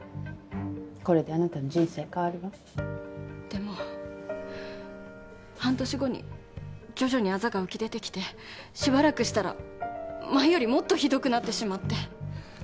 これであなたの人生変わるでも半年後に徐々にあざが浮き出てきてしばらくしたら前よりもっとひどくなってしまって。